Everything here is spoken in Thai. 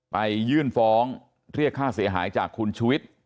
ยื่นฟ้องเรียกค่าเสียหายจากคุณชุวิต